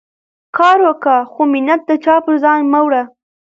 کار وکه، خو مینت د چا پر ځان مه وړه.